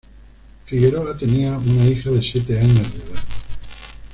Figueroa tenía una hija de siete años de edad.